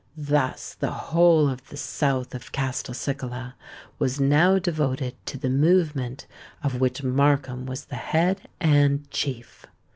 Thus the whole of the south of Castelcicala was now devoted to the movement of which Markham was the head and chief.